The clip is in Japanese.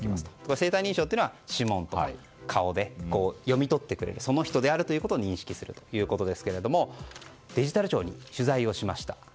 生体認証というのは指紋とか顔で読み取ってその人であるということを認識するということですけどもデジタル庁に取材をしました。